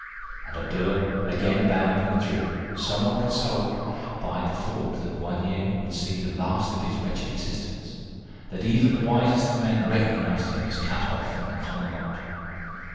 And Abdallah again bowed and withdrew, somewhat consoled by the thought that one year would see the last of his wretched existence, that even the wisest of men recognised him as cut off from the common lot.